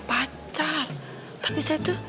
pacar tapi saya tuh